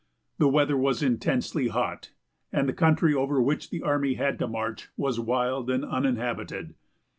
The weather was intensely hot, and the country over which the army had to march was wild and uninhabited.